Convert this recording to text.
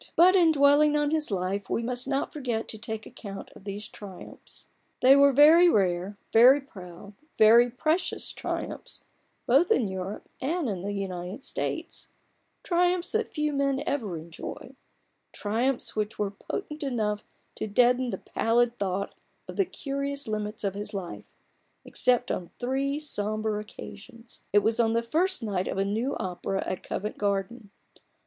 But in dwelling on his life, we must not forget to take account of these triumphs. They were THE BARGAIN OF RUPERT ORANGE. 37 very rare, very proud, very precious triumphs, both in Europe and in the United States ; triumphs that few men ever enjoy ; triumphs which were potent enough to deaden the pallid thought of the curious limits of his life, except on three sombre occasions. It was on the first night of a new opera at Covent Garden.